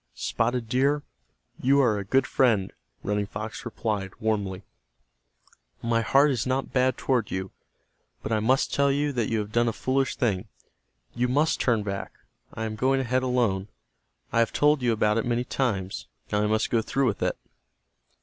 "Spotted Deer, you are a good friend," Running Fox replied, warmly. "My heart is not bad toward you, but I must tell you that you have done a foolish thing. You must turn back. I am going ahead alone. I have told you about it many times. Now I must go through with it."